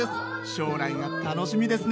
将来が楽しみですね！